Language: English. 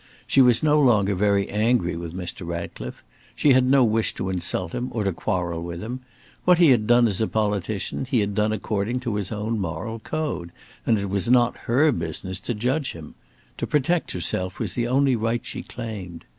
She was no longer very angry with Mr. Ratcliffe. She had no wish to insult him, or to quarrel with him. What he had done as a politician, he had done according to his own moral code, and it was not her business to judge him; to protect herself was the only right she claimed.